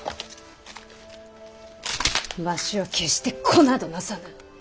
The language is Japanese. わしは決して子などなさぬ。